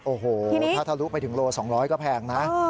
โอ้โหถ้าทะลุไปถึงโล๒๐๐ก็แพงนะ